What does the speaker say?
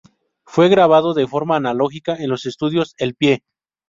Fue grabado de forma analógica en los estudios El Pie.